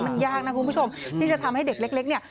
มันยากนะคุณผู้ชมที่จะทำให้เด็กเล็กเนี่ย